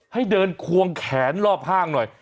ให้เดินควงแขนรอบห้างหน่อย